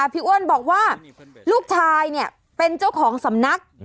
อ้วนบอกว่าลูกชายเป็นเจ้าของสำนัก